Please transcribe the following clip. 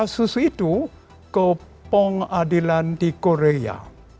dia mengajukan kasus itu ke pengadilan di korea